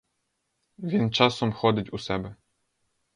Він часом ходить у себе.